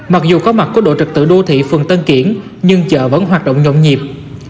mặc dù có mặt của đội trực tự đô thị phường tân kiển nhưng chợ vẫn hoạt động nhộn nhịp